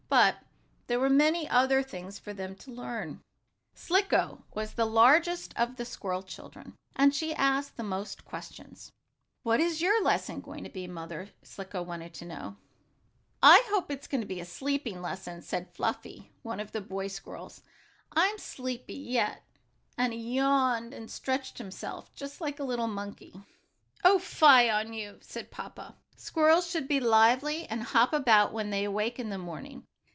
But there were many other things for them to learn. Slicko was the largest of the squirrel children, and she asked the most questions. "What is your lesson going to be, Mother?" Slicko wanted to know. "I hope it's going to be a sleeping lesson," said Fluffy, one of the boy squirrels. "I'm sleepy yet," and he yawned and stretched himself, just like a little monkey. "Oh, fie on you!" said his papa. "Squirrels should be lively, and hop about when they awake in the morning.